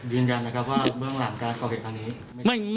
ยืนยันนะครับว่าเบื้องหลังการก่อเหตุตอนนี้